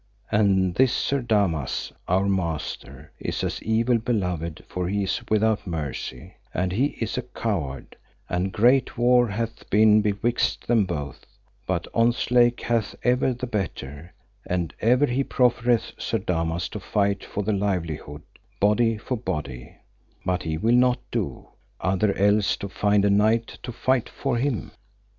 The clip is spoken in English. And this Sir Damas, our master is as evil beloved, for he is without mercy, and he is a coward, and great war hath been betwixt them both, but Ontzlake hath ever the better, and ever he proffereth Sir Damas to fight for the livelihood, body for body, but he will not do; other else to find a knight to fight for him.